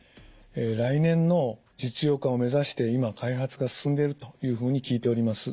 来年の実用化を目指して今開発が進んでいるというふうに聞いております。